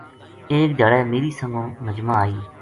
ایک دھیاڑے میری سنگن نجمہ آئی